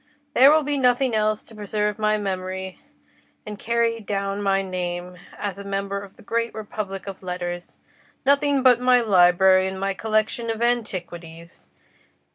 "There will be nothing else to preserve my memory and carry down my name as a member of the great republic of letters—nothing but my library and my collection of antiquities.